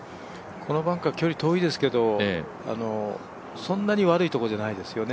このバンカー、距離遠いですけど、そんなに悪いところじゃないですよね。